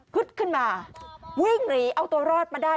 ขึ้นมาวิ่งหนีเอาตัวรอดมาได้